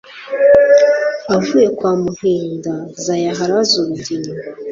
Avuye kwa Muhinda Zayaharaze urugina